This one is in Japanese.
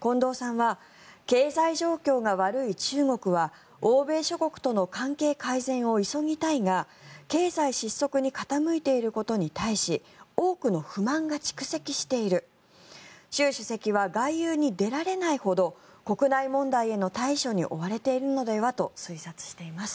近藤さんは経済状況が悪い中国は欧米諸国との関係改善を急ぎたいが経済失速に傾いていることに対し多くの不満が蓄積している習主席は外遊に出られないほど国内問題への対処に追われているのではと推察しています。